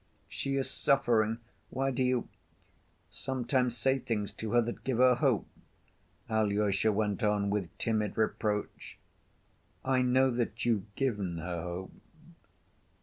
"She is suffering. Why do you ... sometimes say things to her that give her hope?" Alyosha went on, with timid reproach. "I know that you've given her hope.